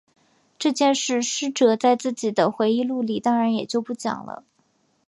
这件事师哲在自己的回忆录里当然也就不讲了。